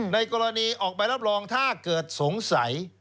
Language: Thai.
ในกรณีออกใบรับรองถ้าเกิดสงสัย